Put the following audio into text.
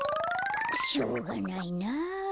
しょうがないな。